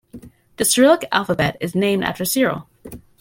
The Cyrillic alphabet is named after Cyril.